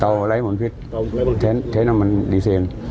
เต่าไร้หมวนพิษเท้นน้ำมันดีเซน